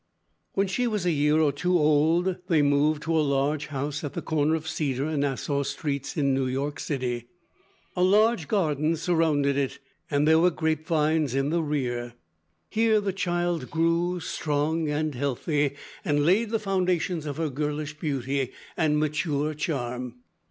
When she was a year or two old, they moved to a large house at the corner of Cedar and Nassau Streets, in New York City. A large garden surrounded it and there were grapevines in the rear. Here the child grew strong and healthy, and laid the foundations of her girlish beauty and mature charm.